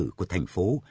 điện tử của thành phố